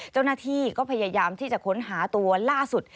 เจ้าหน้าที่ก็พยายามที่จะค้นหาตัวล่าสุด